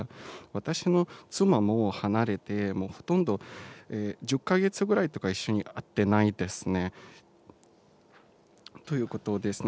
私の妻も離れて、もうほとんど１０か月くらいとか一緒に会ってないですね、ということですね。